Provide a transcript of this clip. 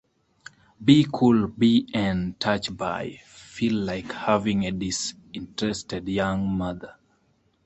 B cool B N touch bye...felt like having a disinterested young mother'.